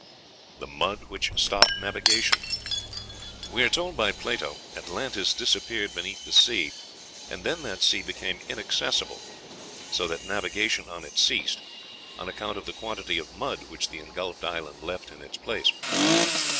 The Mud which Stopped Navigation. We are told by Plato, "Atlantis disappeared beneath the sea, and then that sea became inaccessible, so that navigation on it ceased, on account of the quantity of mud which the ingulfed island left in its place."